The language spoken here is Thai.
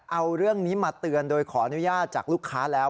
เอาเรื่องนี้มาเตือนโดยขออนุญาตจากลูกค้าแล้ว